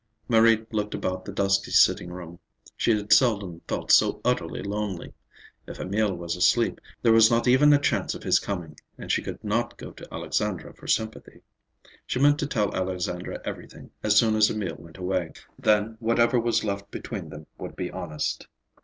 Marie looked about the dusky sitting room. She had seldom felt so utterly lonely. If Emil was asleep, there was not even a chance of his coming; and she could not go to Alexandra for sympathy. She meant to tell Alexandra everything, as soon as Emil went away. Then whatever was left between them would be honest.